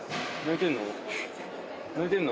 泣いてんの？